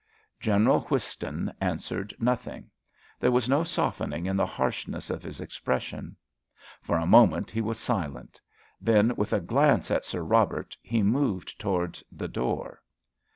General Whiston answered nothing; there was no softening in the harshness of his expression. For a moment he was silent. Then, with a glance at Sir Robert, he moved towards the door.